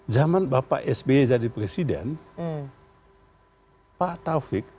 zaman bapak sby jadi presiden pak taufik